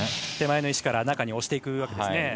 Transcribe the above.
手前の石から中に押していくわけですね。